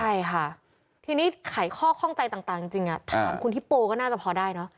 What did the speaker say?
ใช่ค่ะทีนี้ไขข้อข้องใจต่างจริงถามคุณฮิปโปก็น่าจะพอได้เนอะ